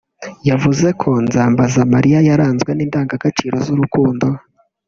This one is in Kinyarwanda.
yavuze ko Nzambazamariya yaranzwe n’indangagaciro z’urukundo